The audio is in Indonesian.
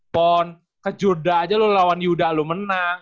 pon kejurda aja lu lawan yuda lu menang